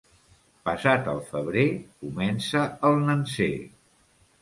Passat el febrer, comença el nanser.